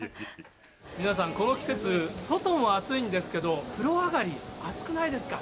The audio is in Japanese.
皆さんこの季節、外も暑いんですけど、風呂上がり、暑くないですか？